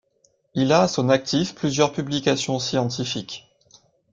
Il a à son actif plusieurs publications scientifiques.